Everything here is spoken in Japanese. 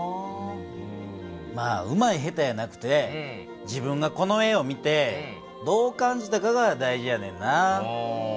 まあうまい下手やなくて自分がこの絵を見てどう感じたかが大事やねんな。